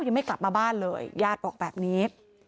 ยังไม่กลับมาบ้านเลยญาติบอกแบบนี้